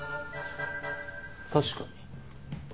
確かに。